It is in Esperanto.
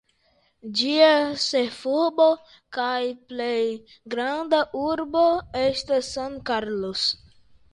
Ĝia ĉefurbo kaj plej granda urbo estas San Carlos.